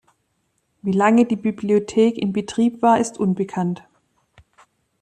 Wie lange die Bibliothek in Betrieb war, ist unbekannt.